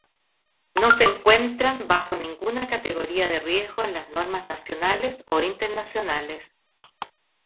No se encuentran bajo ninguna categoría de riesgo en las normas nacionales o internacionales.